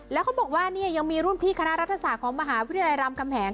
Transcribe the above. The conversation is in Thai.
แล้วเขาบอกว่าเนี่ยยังมีรุ่นพี่คณะรัฐศาสตร์ของมหาวิทยาลัยรามคำแหง